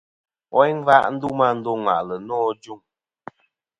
Woyn ngva ndu meyn a ndo ŋwà'lɨ nô ajuŋ.